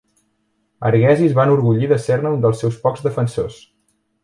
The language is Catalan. Arghezi es va enorgullir de ser-ne un dels seus pocs defensors.